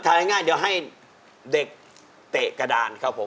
ง่ายเดี๋ยวให้เด็กเตะกระดานครับผม